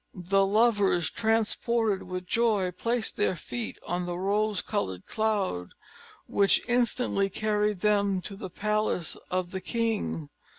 The lovers, transported with joy, placed their feet on the rose colored cloud, which instantly carried them to the palace of the king.